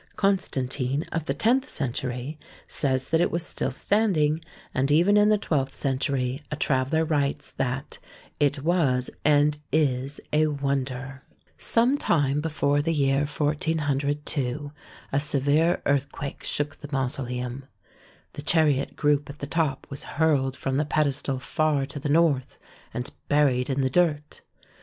Constantine of the tenth century says that it was still standing, and even in the twelfth century a traveller writes that 'It was and is a wonder." Sometime before the year 1402 a severe earth quake shook the mausoleum. The chariot group at the top was hurled from the pedestal far to the north, and buried in the dirt.